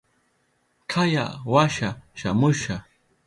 Kaya washa shamusha.